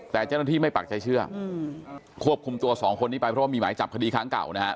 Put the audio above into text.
แต่เจ้าหน้าที่ไม่ปากใจเชื่อควบคุมตัวสองคนนี้ไปเพราะว่ามีหมายจับคดีครั้งเก่านะฮะ